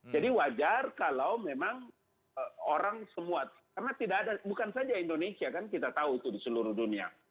jadi wajar kalau memang orang semua karena bukan saja indonesia kan kita tahu itu di seluruh dunia